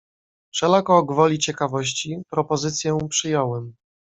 "Wszelako gwoli ciekawości, propozycję przyjąłem."